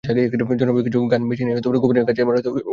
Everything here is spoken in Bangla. জনপ্রিয় কিছু গান বেছে নিয়ে গোপনে নাচের মহড়া করে মঞ্চে ওঠেন অনেকে।